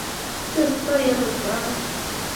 Itestai ano tai ra?